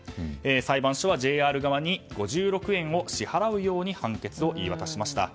裁判所はＪＲ側に５６円を支払うように判決を言い渡しました。